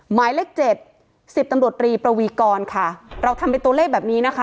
หมายเลขเจ็ดสิบตำรวจรีประวีกรค่ะเราทำเป็นตัวเลขแบบนี้นะคะ